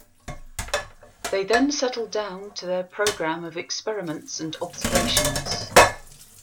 They then settled down to their program of experiments and observations.